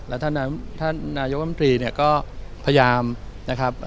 เพราะฉะนั้นท่านนายกลับมันตรีเนี่ยก็พยายามนะครับ